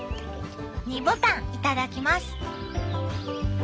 「２ボタンいただきます」。